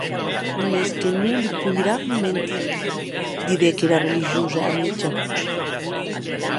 Mès que non li poiram mentir, didec era religiosa, a mieja votz.